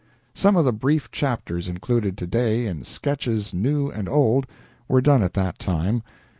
Some of the brief chapters included to day in "Sketches New and Old" were done at this time.